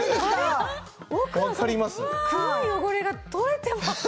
奥の黒い汚れが取れてますね。